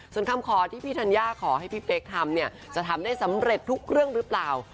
ส่วนคำขอที่พี่ธัญญาขอให้พี่เป๊กทำเนี่ยจะทำได้สำเร็จทุกเรื่องหรือเปล่า